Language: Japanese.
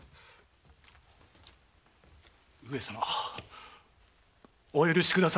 上様お許しください！